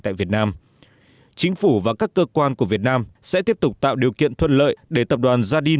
tại việt nam chính phủ và các cơ quan của việt nam sẽ tiếp tục tạo điều kiện thuận lợi để tập đoàn zarim